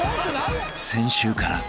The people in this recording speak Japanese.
［先週から］